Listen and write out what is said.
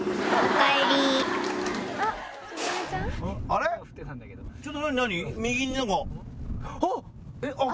あっ！